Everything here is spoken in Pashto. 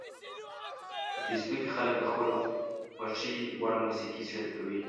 په فېسبوک کې خلک د خپلو خوښې وړ موسیقي شریکوي